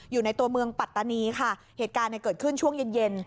อยู่ในตัวเมืองปัตตานีค่ะเหตุการณ์เนี่ยเกิดขึ้นช่วงเย็นเย็น